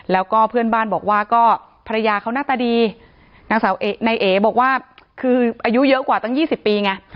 แล้วก็เพื่อนบ้านบอกว่าก็ภรรยาเขาหน้าตาดีนางสาวนายเอ๋บอกว่าคืออายุเยอะกว่าตั้ง๒๐ปีไง